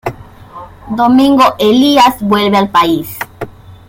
Domingo Elías vuelve al país.